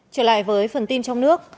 trở lại với phần tin trong nước